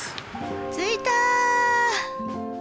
着いた！